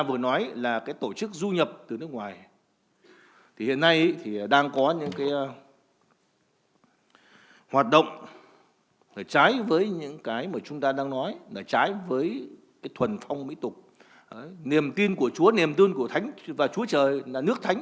với thuần phong mỹ tục niềm tin của chúa niềm tin của thánh và chúa trời là nước thánh